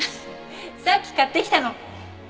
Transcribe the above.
さっき買ってきたの。